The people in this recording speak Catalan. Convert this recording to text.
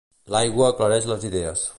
L'aigua aclareix les idees